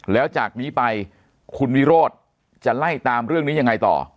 แล้วจากนี้ไปคุณวิโรธจะไล่ตามเรื่องนี้ยังไงต่อ